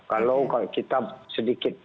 kalau kita sedikit